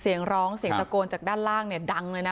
เสียงร้องเสียงตะโกนจากด้านล่างเนี่ยดังเลยนะ